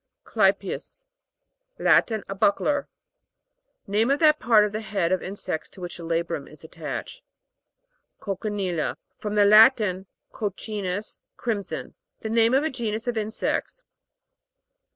CLY'PEUS. Latin. A buckler. Name of that part of the head of insects to which the labrum is attached. COCCINEL'LA. From the Latin, coc cinus, crimson. Name of a genus of insects.